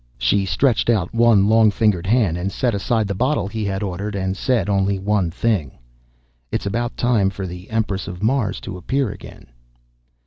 She stretched out one long fingered hand and set aside the bottle he had ordered and said only one thing, "It's about time for the Empress of Mars to appear again."